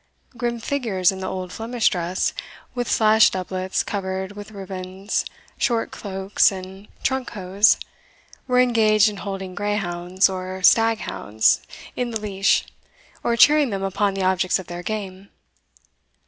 Grim figures in the old Flemish dress, with slashed doublets covered with ribbands, short cloaks, and trunk hose, were engaged in holding grey hounds, or stag hounds, in the leash, or cheering them upon the objects of their game.